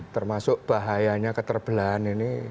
termasuk bahayanya keterbelahan